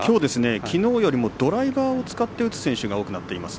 きのうよりもドライバーを使って打つ選手が多くなっています。